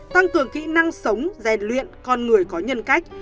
tăng cường kỹ năng sống rèn luyện con người có nhân cách